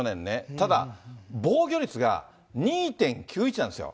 ただ、防御率が２．９１なんですよ。